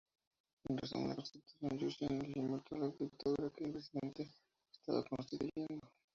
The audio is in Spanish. En resumen, la constitución Yushin legitimó la dictadura que el presidente estaba construyendo.